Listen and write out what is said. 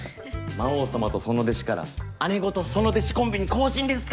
魔王様とその弟子から姉御とその弟子コンビに更新ですか。